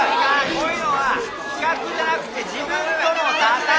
こういうのは比較じゃなくて自分との闘い。